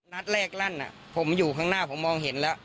นัดแรกลั่นผมอยู่ข้างหน้าผมมองเห็นแล้ว